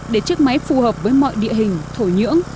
để chiếc máy phù hợp với mọi địa hình thổ nhưỡng